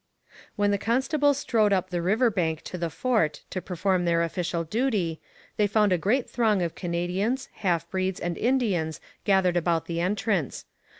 ] When the constables strode up the river bank to the fort to perform their official duty, they found a great throng of Canadians, half breeds, and Indians gathered about the entrance.